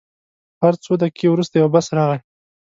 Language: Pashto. هر څو دقیقې وروسته یو بس راغی.